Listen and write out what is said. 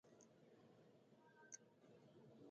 زموږ بیړۍ د میمونونو جزیرې ته لاړه.